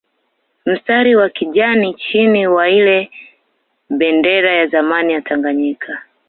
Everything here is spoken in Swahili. Mstari wa kijani chini wa ile bendera ya zamani ya Tanganyika